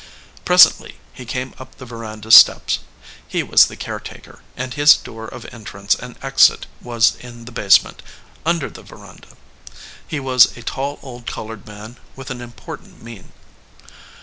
Presently he came up the veranda steps. He was the caretaker, and his door of en trance and exit was in the basement, under the veranda. He was a tall old colored man with an important mien.